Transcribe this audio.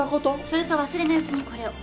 それと忘れないうちにこれを。